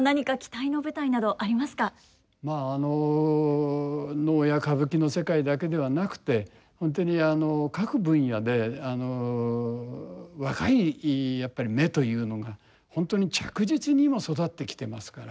まああの能や歌舞伎の世界だけではなくて本当に各分野で若いやっぱり芽というのが本当に着実に今育ってきてますから。